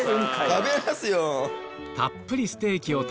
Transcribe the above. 食べますよ。